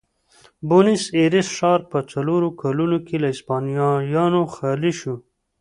بونیس ایرس ښار په څلورو کلونو کې له هسپانویانو خالي شو.